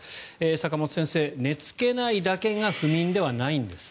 坂元先生、寝付けないだけが不眠ではないんです。